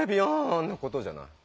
ンなことじゃない？